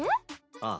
ああ。